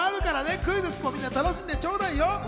クイズッスも楽しんでちょうだいよ。